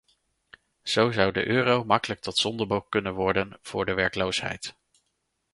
Zo zou de euro makkelijk tot zondebok kunnen worden voor de werkloosheid.